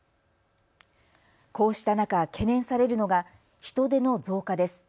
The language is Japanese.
こうした中、懸念されるのが人出の増加です。